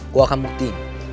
gue akan bukti